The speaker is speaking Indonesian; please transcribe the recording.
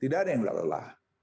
tidak ada yang tidak lelah